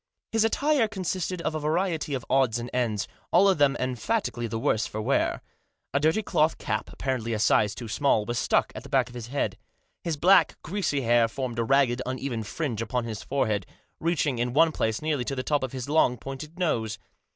His attire consisted of a variety of odds and ends, all of them emphatically the worse for wear. A dirty cloth cap, apparently a size too small, was stuck at the back of his head. His black, greasy hair formed a ragged, uneven fringe upon his forehead, reaching in one place nearly to the top of his long, pointed nose.